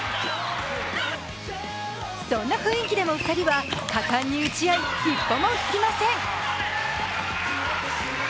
そんな雰囲気でも２人は果敢に打ち合い、一歩も引きません。